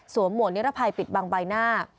หมวกนิรภัยปิดบังใบหน้า